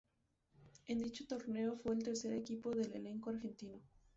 En dicho torneo fue el tercer equipo del elenco argentino.